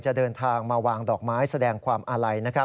จะเดินทางมาวางดอกไม้แสดงความอาลัย